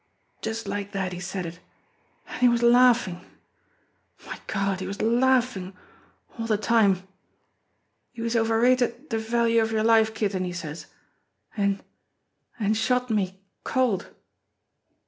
Just like dat he said it, an' he was laughin'. My Gawd, he was laughiri all de time. 'Youse overrated de value of yer life, Kitten/ he says, an' an' shot me cold."